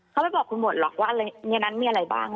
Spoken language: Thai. เขาไม่บอกคุณหมดหรอกว่าในนั้นมีอะไรบ้าง